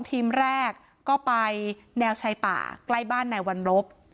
ทีมแรกก็ไปแนวชายป่าใกล้บ้านนายวันรบ